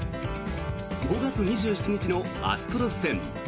５月２７日のアストロズ戦。